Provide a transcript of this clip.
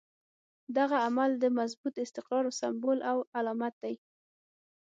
دغه عمل د مضبوط استقرار سمبول او علامت دی.